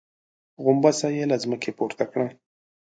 غومبسه يې له ځمکې پورته کړه.